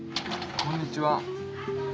こんにちは。